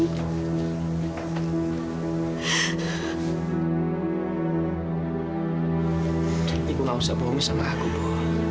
dan ibu gak usah bohong sama aku bu